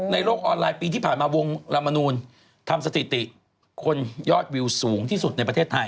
โลกออนไลน์ปีที่ผ่านมาวงลามนูลทำสถิติคนยอดวิวสูงที่สุดในประเทศไทย